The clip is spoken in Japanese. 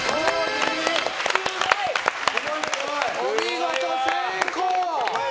お見事成功！